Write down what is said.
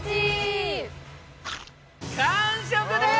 完食です！